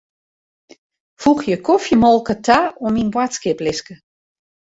Foegje kofjemolke ta oan myn boadskiplistke.